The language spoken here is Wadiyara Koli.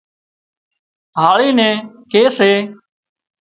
هاۯِي نين ڪي سي